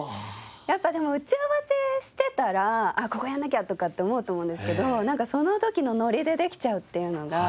やっぱでも打ち合わせしてたらここやんなきゃ！とかって思うと思うんですけどなんかその時のノリでできちゃうっていうのが。